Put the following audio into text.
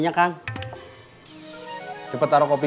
nah udah nangis seputar nanta apa